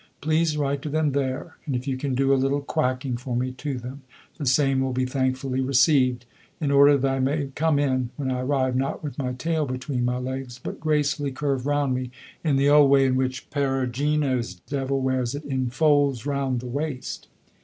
Please write to them there, and if you can do a little quacking for me to them, the same will be thankfully received, in order that I may come in, when I arrive, not with my tail between my legs, but gracefully curved round me, in the old way in which Perugino's Devil wears it, in folds round the waist.